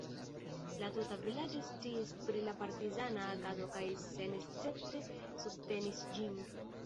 La tuta vilaĝo sciis pri la partizana agado kaj senescepte subtenis ĝin.